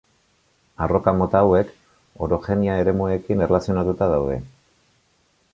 Arroka mota hauek, orogenia eremuekin erlazionatuta daude.